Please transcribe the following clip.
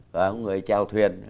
có những người treo thuyền